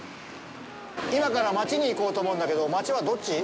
今から町に行こうと思うんだけど、町はどっち？